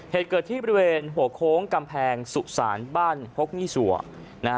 เหตุเกิดที่บริเวณหัวโค้งกำแพงสุสานบ้านฮกยี่สัวนะฮะ